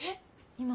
今。